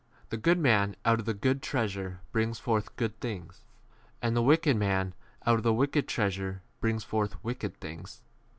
The good man out of the good trea sure v brings forth good things ; and the wicked man out of the wicked treasure brings forth wick 36 ed things.